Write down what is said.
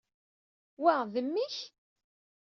Wa, d mmi-k?